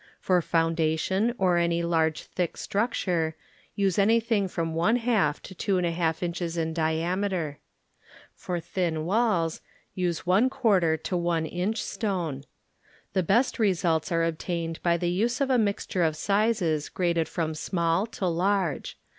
For foundations or any lat^e thick structure, use anything from J4 to 25^ inches in diameter. For this walls use l4 to 1 inch stone. The best results are obtained by the use of a mixture of sizes graded from small to large.